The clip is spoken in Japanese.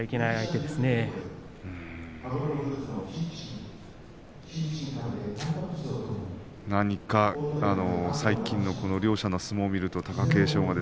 うーん何か最近の、両者の相撲を見ると貴景勝は